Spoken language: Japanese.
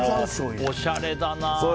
おしゃれだな。